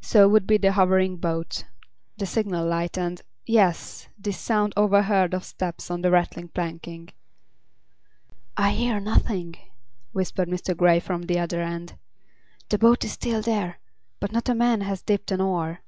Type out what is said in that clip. So would be the hovering boat—the signal light and—yes! this sound overheard of steps on a rattling planking. "I hear nothing," whispered Mr. Grey from the other end. "The boat is still there, but not a man has dipped an oar."